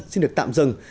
xin được tạm dừng